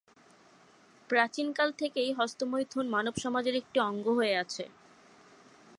প্রাচীনকাল থেকেই হস্তমৈথুন মানব সমাজের একটি অঙ্গ হয়ে আছে।